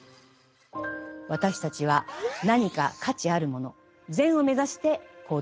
私たちは何か価値あるもの「善」を目指して行動している。